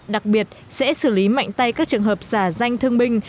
đặc biệt sẽ xử lý mạnh tay các trường hợp giả danh thương binh